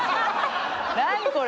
何これ！